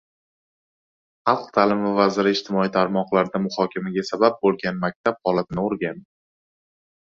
Xalq ta’limi vaziri ijtimoiy tarmoqlarda muhokamaga sabab bo‘lgan maktab holatini o‘rgandi